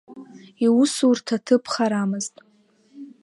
Иусурҭа ҭыԥ харамызт.